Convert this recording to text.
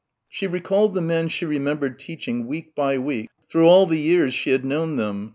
She recalled the men she remembered teaching week by week through all the years she had known them